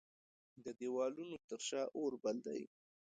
د دیوالونو تر شا اوربل دی